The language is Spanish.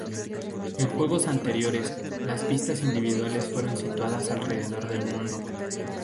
En juegos anteriores, las pistas individuales fueron situadas alrededor del mundo.